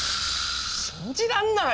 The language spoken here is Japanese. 信じらんない！